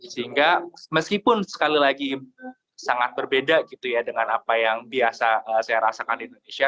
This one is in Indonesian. sehingga meskipun sekali lagi sangat berbeda gitu ya dengan apa yang biasa saya rasakan di indonesia